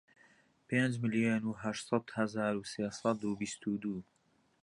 پێنج ملیۆن و هەشت سەد هەزار و سێ سەد و بیست و دوو